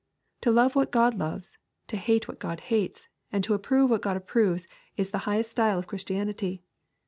To love what God loves, to hate what God hates, and to approve what God approves, is the highest style of Christianity.